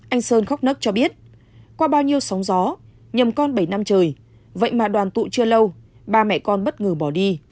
anh sơn khóc nấc cho biết qua bao nhiêu sóng gió nhầm con bảy năm trời vậy mà đoàn tụ chưa lâu ba mẹ con bất ngờ bỏ đi